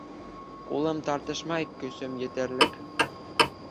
Ҡулым тартышмай, көсөм етерлек.